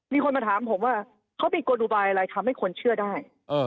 มีคนมาถามผมว่าเขามีกลอุบายอะไรทำให้คนเชื่อได้